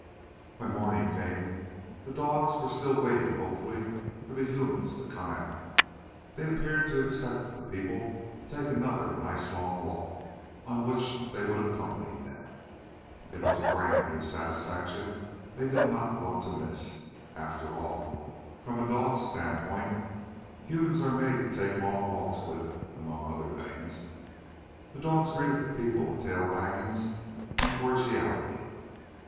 When morning came, the dogs were still waiting hopefully for the humans to come out. They appeared to expect the people to take another nice long walk, on which they would accompany them. It was a brand new satisfaction they did not want to miss. After all, from a dog's standpoint, humans are made to take long walks with, among other things. The dogs greeted the people with tail waggings and cordiality.